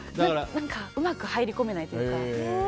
うまく入り込めないというか。